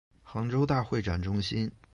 杭州大会展中心